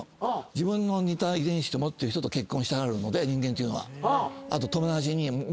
自分の似た遺伝子持ってる人と結婚したがるので人間って。